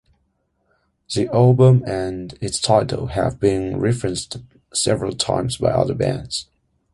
The album and its title have been referenced several times by other bands.